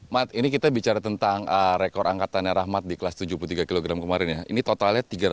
mat ini kita bicara tentang rekor angkatannya rahmat di kelas tujuh puluh tiga kg kemarin ya